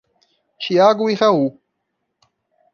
Tiago e Raul.